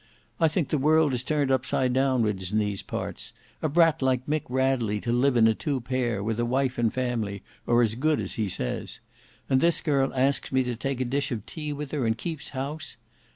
"I think the world is turned upside downwards in these parts. A brat like Mick Radley to live in a two pair, with a wife and family, or as good as he says; and this girl asks me to take a dish of tea with her and keeps house!